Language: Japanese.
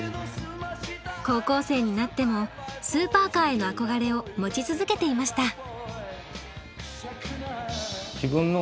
高校生になってもスーパーカーへの憧れを持ち続けていました。